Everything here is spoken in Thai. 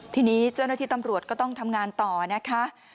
ทีนี้เจ้าหน้าที่ตำรวจก็ต้องทำงานต่อนะคะ